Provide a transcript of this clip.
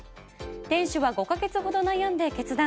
店主は５か月ほど悩んで決断。